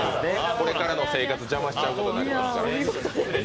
これからの生活、邪魔しちゃうことになりますから。